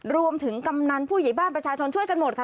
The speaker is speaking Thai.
กำนันผู้ใหญ่บ้านประชาชนช่วยกันหมดค่ะ